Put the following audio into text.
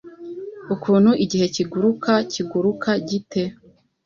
Ukuntu igihe kiguruka ... kiguruka gite?